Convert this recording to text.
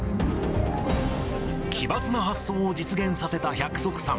奇抜な発想を実現させた百束さん。